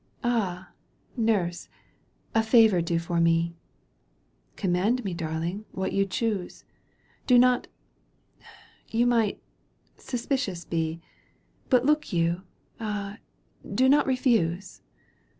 Ah ! nurse, a favour do for me !—" Command me, darling, what you choose "" Do not — ^you might — suspicious be ; But look you — ^ah ! do not refuse."